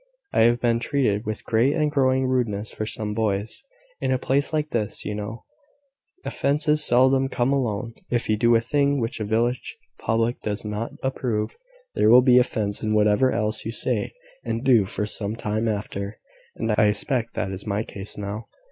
I have been treated with great and growing rudeness for some days. In a place like this, you know, offences seldom come alone. If you do a thing which a village public does not approve, there will be offence in whatever else you say and do for some time after. And I suspect that is my case now.